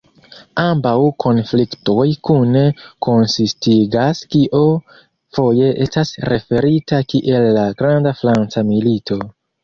Ambaŭ konfliktoj kune konsistigas kio foje estas referita kiel la "'Granda Franca Milito'".